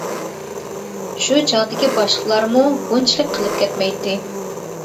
شۇ چاغدىكى باشلىقلارمۇ بۇنچىلىك قىلىپ كەتمەيتتى.